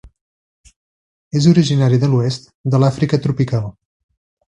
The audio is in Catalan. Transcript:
És originari de l'oest de l'Àfrica tropical.